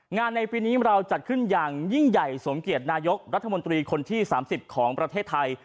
ในปีนี้เราจัดขึ้นอย่างยิ่งใหญ่สมเกียจนายกรัฐมนตรีคนที่๓๐ของประเทศไทย